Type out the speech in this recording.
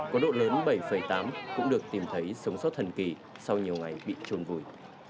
có độ lớn bảy tám cũng được tìm thấy sống sót thần kỳ sau nhiều ngày bị trôn vùi